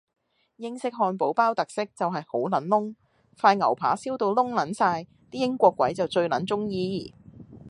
英式漢堡包特色就係好撚燶，塊牛扒燒到燶撚晒啲英國鬼最撚鍾意